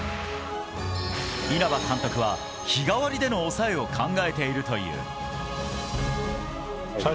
稲葉監督は、日替わりでの抑えを考えているという。